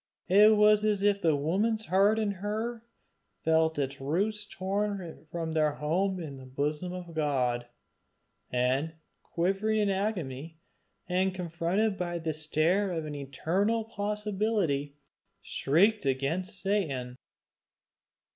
It was as if the woman's heart in her felt its roots torn from their home in the bosom of God, and quivering in agony, and confronted by the stare of an eternal impossibility, shrieked against Satan.